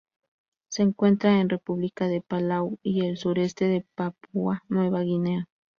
Se encuentra en República de Palau y el sureste de Papúa Nueva Guinea.